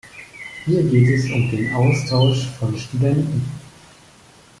Hier geht es um den Austausch von Studenten.